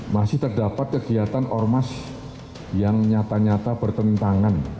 masih terdapat kegiatan ormas yang nyata nyata bertentangan